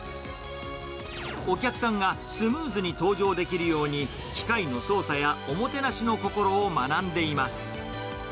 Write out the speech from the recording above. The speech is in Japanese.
お客さんがスムーズに搭乗できるように、機械の操作やおもてなしの心を学んでいます。